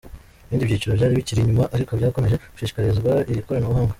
Ibindi byiciro byari bikiri inyuma ariko byakomeje gushishikarizwa iri koranabuhanga.